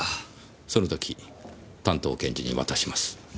その時担当検事に渡します。